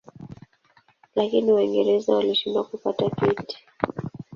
Lakini Waingereza walishindwa kupata kiti.